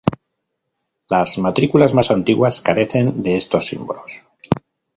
Las matrículas más antiguas carecen de estos símbolos.